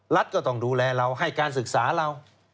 รัฐก็ต้องดูแลเราให้การศึกษาเรา